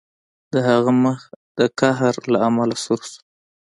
د هغه مخ د قهر له امله سور شو